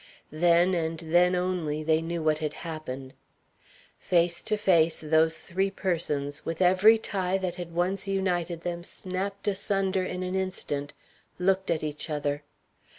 Then, and then only, they knew what had happened. Face to face, those three persons with every tie that had once united them snapped asunder in an instant looked at each other.